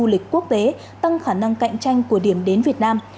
du lịch quốc tế tăng khả năng cạnh tranh của điểm đến việt nam